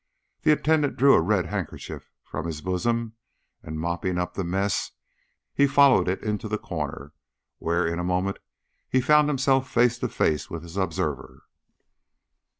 The attendant drew a red handkerchief from his bosom, and, mopping up the mess, he followed it into the corner, where in a moment he found himself face to face with his observer.